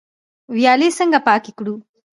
ویالې څنګه پاکې کړو؟